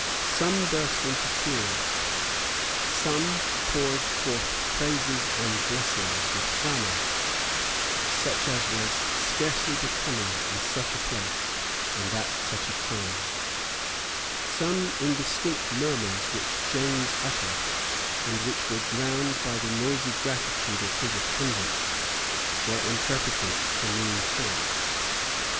Some burst into tears. Some poured forth praises and blessings with clamour such as, was scarcely becoming in such a place and at such a time. Some indistinct murmurs which James uttered, and which were drowned by the noisy gratitude of his attendants, were interpreted to mean thanks.